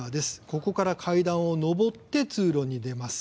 ここから階段を上って通路に出ます。